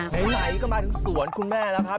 ไหลก็มาถึงสวนคุณแม่แล้วครับ